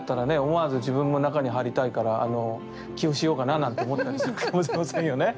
思わず自分も中に入りたいから寄付しようかななんて思ったりするかもしれませんよね。